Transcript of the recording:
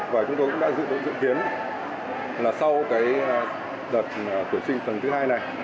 và chúng tôi cũng đã dự kiến là sau đợt tuyển sinh phần thứ hai này